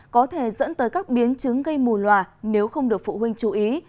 có thể dẫn tới các biến chứng gây mù loà nếu không được phụ huynh chú ý